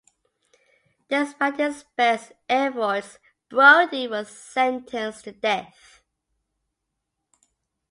Despite his best efforts, Brodie was sentenced to death.